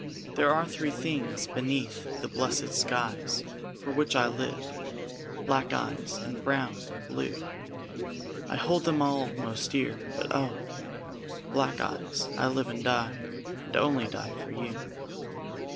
There are three things beneath the blessed skies For which I live black eyes, and brown and blue; I hold them all most dear; but oh! black eyes, I live and die, and only die for you.